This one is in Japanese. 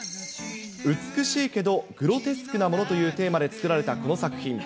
美しいけどグロテスクなものというテーマで作られたこの作品。